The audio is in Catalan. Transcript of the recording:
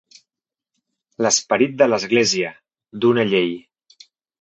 L'esperit de l'Església, d'una llei.